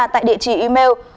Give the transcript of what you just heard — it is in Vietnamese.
tại địa chỉ email